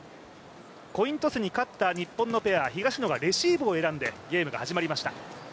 コイントスに勝った日本のペア、東野がレシーブを選んでゲームが始まりました。